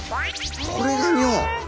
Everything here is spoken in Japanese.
これが尿！